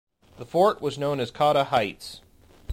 The fort was known as Cotta Heights.